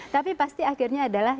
tapi pasti akhirnya adalah